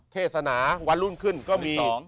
เทศนาวันรุ่นขึ้นก็มี